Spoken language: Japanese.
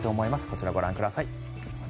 こちら、ご覧ください。